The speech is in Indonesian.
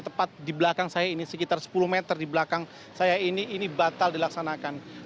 tepat di belakang saya ini sekitar sepuluh meter di belakang saya ini ini batal dilaksanakan